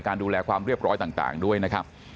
ดูแลความเรียบร้อยต่างด้วยนะครับ